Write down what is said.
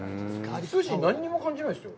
筋、何にも感じないですよ。